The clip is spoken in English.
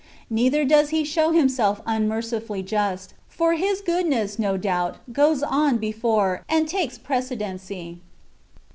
Neither does He show Himself unmercifully just; for His goodness, no doubt, goes on before, and takes precedency.